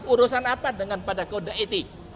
urusan apa dengan pada kode etik